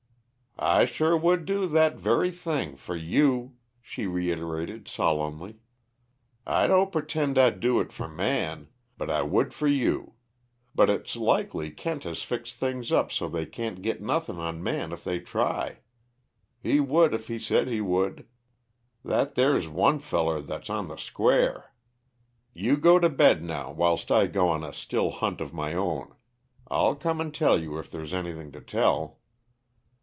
"I sure would do that, very thing for you," she reiterated solemnly, "I don't purtend I'd do it for Man but I would for you. But it's likely Kent has fixed things up so they can't git nothing on Man if they try. He would if he said he would; that there's one feller that's on the square. You go to bed now, whilst I go on a still hunt of my own. I'll come and tell you if there's anything to tell."